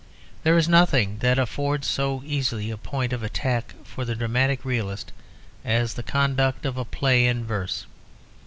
There is nothing that affords so easy a point of attack for the dramatic realist as the conduct of a play in verse.